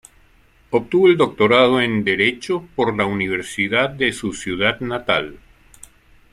Obtuvo el doctorado en Derecho por la Universidad de su ciudad natal.